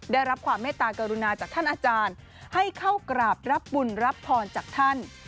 ได้รับความเมตตากรุณาจากท่านอาจารย์ให้เข้ากราบรับบุญรับพรจากท่าน